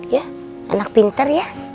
ya anak pintar ya